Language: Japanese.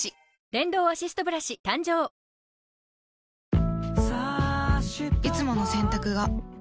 電動アシストブラシ誕生いつもの洗濯が